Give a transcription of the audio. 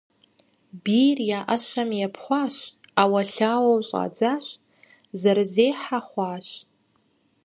Бийр я Ӏэщэм епхъуащ Ӏэуэлъауэу щӀадзащ зэрызехьэ хъуащ.